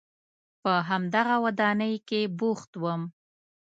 په همدغه ودانۍ کې بوخت وم.